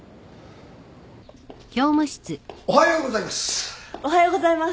おはようございます。